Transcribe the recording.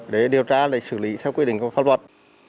để điều tra xử lý theo quy định của pháp luật